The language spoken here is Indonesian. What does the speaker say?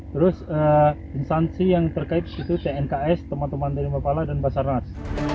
terus instansi yang terkait itu tnks teman teman dari bapak la dan basarnas